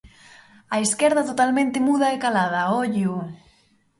A esquerda totalmente muda e calada, ¡ollo!